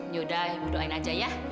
yaudah ibu doain aja ya